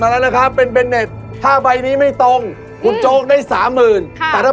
มันรู้สึกรู้สึกดีใจโปนอับอายยังไงครับ